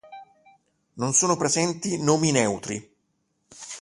Non sono presenti nomi neutri.